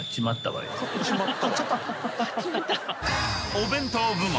［お弁当部門